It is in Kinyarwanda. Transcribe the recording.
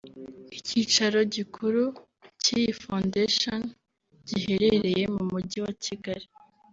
Ikicaro gikuru cy’iyi Fondation giherereye mu mugi wa Kigali